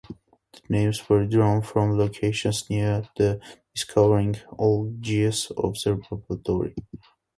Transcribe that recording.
The names were drawn from locations near the discovering Algiers Observatory.